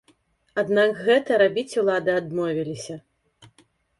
Аднак гэта рабіць улады адмовіліся.